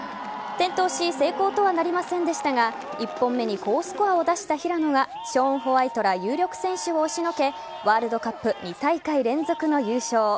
転倒し成功とはなりませんでしたが１本目に高スコアを出した平野はショーン・ホワイトら有力選手を押しのけワールドカップ２大会連続の優勝。